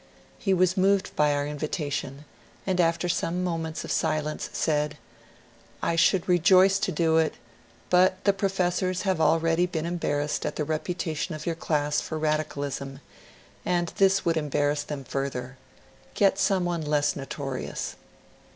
He was moved by our invitation, and after some mo ments of silence said, *^I should rejoice to do it; but the professors have already been embarrassed at the reputation of your class for radicalism, and this would embarrass them further ; get some one less notorious."